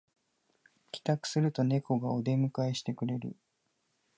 帰宅するとネコがお出迎えしてくれる